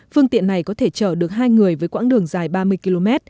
phương tiện này có thể chở được hai người với quãng đường dài ba mươi km